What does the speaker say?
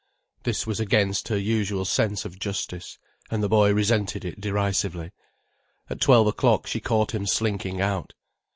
This was against her usual sense of justice, and the boy resented it derisively. At twelve o'clock she caught him slinking out.